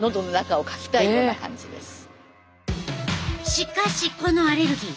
しかしこのアレルギー